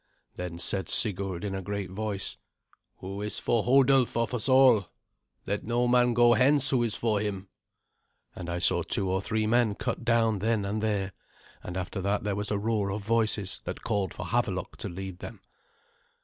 Then said Sigurd in a great voice, "Who is for Hodulf of us all? Let no man go hence who is for him." And I saw two or three men cut down then and there, and after that there was a roar of voices that called for Havelok to lead them.